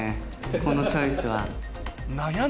このチョイスは。